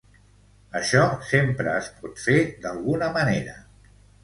Això sempre es pot fer d'alguna manera.